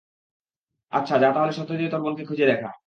আচ্ছা, যা তাহলে সত্য দিয়ে তোর বোনকে খুঁজে দেখা।